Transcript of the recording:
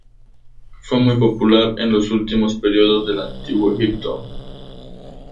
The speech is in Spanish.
Fue muy popular en los últimos períodos del Antiguo Egipto.